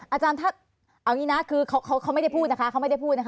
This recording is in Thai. เอาอย่างนี้นะคือเขาไม่ได้พูดนะคะ